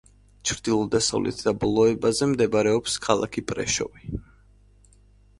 ჩრდილო-დასავლეთ დაბოლოებაზე მდებარეობს ქალაქი პრეშოვი.